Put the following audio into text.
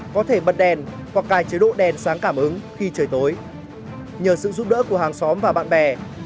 có thể bật đèn hoặc cài chế độ đèn sáng cảm ứng khi trời tối nhờ sự giúp đỡ của hàng xóm và bạn bè